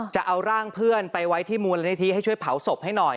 จะเอาร่างเพื่อนไปไว้ที่มูลนิธิให้ช่วยเผาศพให้หน่อย